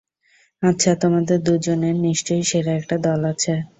আচ্ছা, তোমাদের দুজনের নিশ্চয়ই সেরা একটা দল আছে!